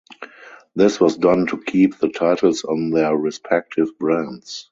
This was done to keep the titles on their respective brands.